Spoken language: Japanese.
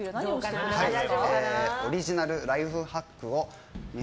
オリジナルライフハックを。